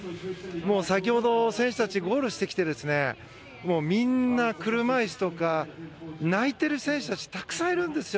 先ほど選手たちゴールしてきてみんな、車椅子とか泣いてる選手たちたくさんいるんですよ。